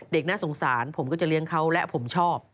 น่าสงสารผมก็จะเลี้ยงเขาและผมชอบ